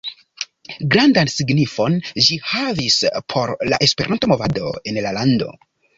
Grandan signifon ĝi havis por la Esperanto-movado en la lando.